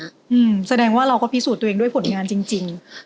อืมแสดงว่าเราก็พิสูจน์ตัวเองด้วยผลงานจริงจริง